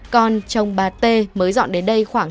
con chồng bà t mới dọn đến đây khoảng